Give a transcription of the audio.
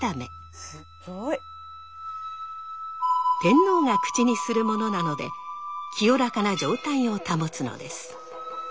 天皇が口にするものなので清らかな状態を保つのです。